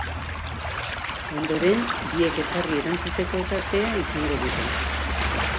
Ondoren, biek elkarri erantzuteko tartea izango dute.